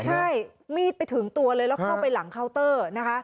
ใช่มีดไปถึงตัวเลยแล้วเข้าไปหลังเคาน์เตอร์นะคะ